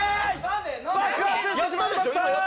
爆発してしまいました。